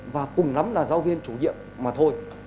và cùng nắm là giáo viên chủ nhiệm mà thôi